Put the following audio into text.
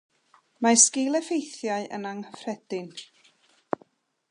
Mae sgil-effeithiau yn anghyffredin.